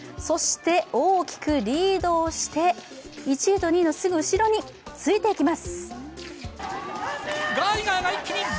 そして大きくリードをして、１位と２位のすぐ後ろについていきます。